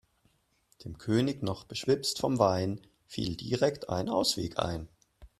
Dem König, noch beschwipst vom Wein, fiel direkt ein Ausweg ein.